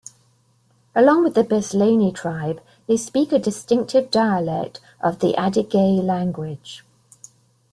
Along with the Besleney tribe, they speak a distinctive dialect of the Adyghe language.